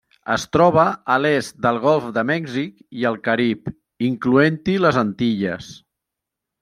Es troba a l'est del Golf de Mèxic i el Carib, incloent-hi les Antilles.